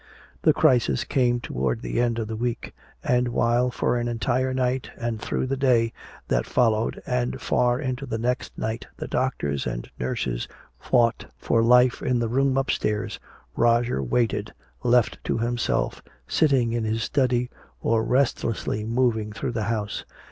The crisis came toward the end of the week. And while for one entire night and through the day that followed and far into the next night the doctors and nurses fought for life in the room upstairs, Roger waited, left to himself, sitting in his study or restlessly moving through the house.